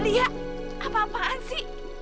lia apa apaan sih